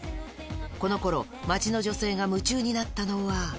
このころ、街の女性が夢中になったのは。